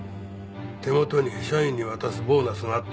手元に社員に渡すボーナスがあったんだ。